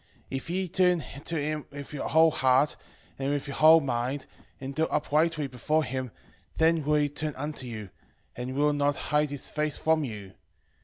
13:6 If ye turn to him with your whole heart, and with your whole mind, and deal uprightly before him, then will he turn unto you, and will not hide his face from you.